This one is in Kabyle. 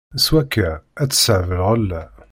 S wakka, ad tṣab lɣella.